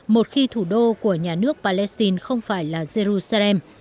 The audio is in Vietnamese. một khi thủ đô của nhà nước palestine không phải là jerusalem